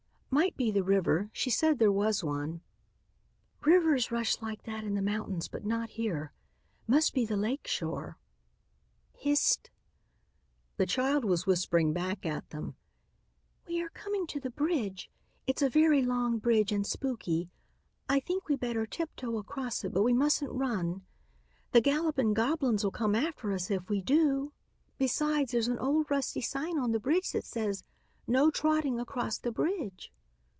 "Might be the river. She said there was one." "Rivers rush like that in the mountains but not here. Must be the lake shore." "Hist " The child was whispering back at them. "We are coming to the bridge. It's a very long bridge, and spooky. I think we better tiptoe across it, but we mustn't run. The gallopin' goblins'll come after us if we do; besides, there's an old rusty sign on the bridge that says, 'No trotting across the bridge.'"